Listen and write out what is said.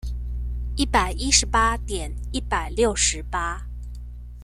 一百一十八點一百六十八